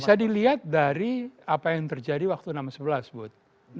bisa dilihat dari apa yang terjadi waktu enam sebelas bud